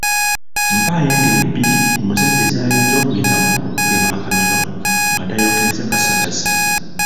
Mpaayo engeri bbiri omuzadde z'ayinza okuyitamu okugema akamiro nga tayokezza kasagazi.